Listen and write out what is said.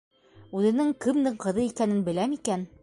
Үҙенең кемдең ҡыҙы икәнен белә микән?..